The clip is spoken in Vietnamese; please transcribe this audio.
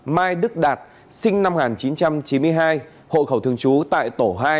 mai đức đạt sinh năm một nghìn chín trăm chín mươi hai hộ khẩu thường trú tại tổ hai